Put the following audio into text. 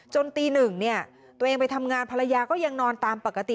ตีหนึ่งเนี่ยตัวเองไปทำงานภรรยาก็ยังนอนตามปกติ